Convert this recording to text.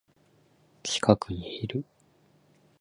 近くにいる